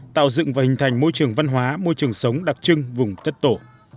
tạo dựng và hình thành môi trường văn hóa môi trường sống đặc trưng vùng đất tổ